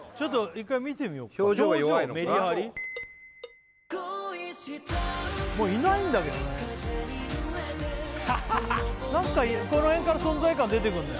１回見てみようか表情メリハリいないんだけどね何かこの辺から存在感出てくんのよ